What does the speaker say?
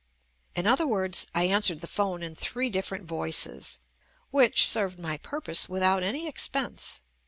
In other words, I an swered the phone in three different voices, which served my purpose without any expense.